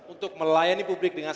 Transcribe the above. untuk melayani publik dengan